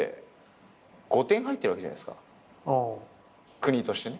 国としてね。